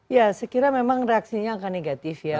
ya sekiranya memang reaksinya akan negatif ya